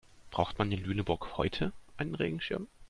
Braucht man in Lüneburg heute einen Regenschirm?